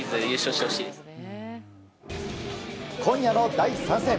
今夜の第３戦。